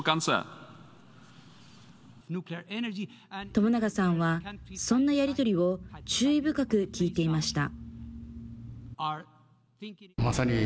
朝長さんは、そんなやり取りを注意深く聞いていました。